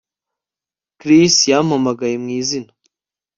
Chris yampamagaye mu izina